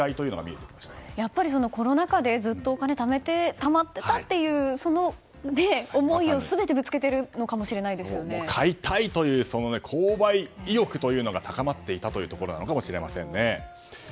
やっぱりコロナ禍でずっとお金がたまってたというその思いを全てぶつけているのかも買いたい！という購買意欲が高まっていたというところかもしれませんね。